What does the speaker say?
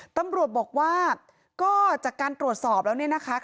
ตำรวจบอกว่าก็จากการตรวจสอบแล้วเนี่ยนะคะ